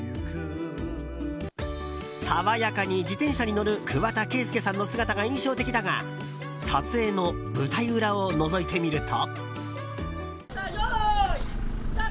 爽やかに自転車に乗る桑田佳祐さんの姿が印象的だが撮影の舞台裏をのぞいてみると。